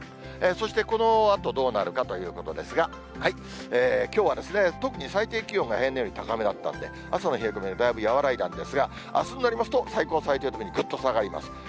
そしてこの後どうなるかということですが、きょうは特に最低気温が平年より高めだったんで、朝の冷え込みはだいぶ和らいだんですが、あすになりますと、最高、最低ともに、ぐっと下がります。